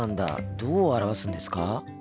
どう表すんですか？